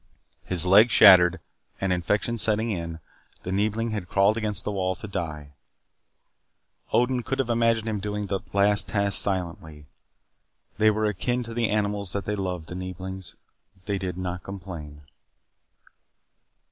His legs shattered, and infection setting in, the Neebling had crawled against the wall to die. Odin could imagine him doing that last task silently. They were akin to the animals that they loved, the Neeblings. They did not complain.